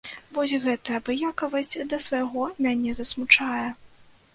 Вось гэтая абыякавасць да свайго мяне засмучае.